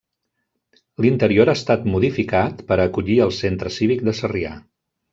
L'interior ha estat modificat per a acollir el Centre Cívic de Sarrià.